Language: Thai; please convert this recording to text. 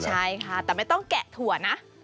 ใช่ค่ะแต่ไม่ต้องแกะถั่วนะ